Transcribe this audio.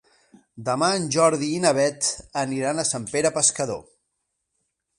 Demà en Jordi i na Beth aniran a Sant Pere Pescador.